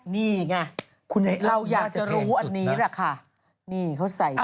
นี่ไงเราอยากจะรู้อันนี้แหละค่ะ